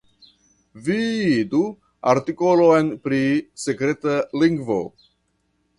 Vidu artikolon pri sekreta lingvo.